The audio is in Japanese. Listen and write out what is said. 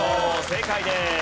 正解です。